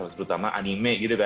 terutama anime gitu kan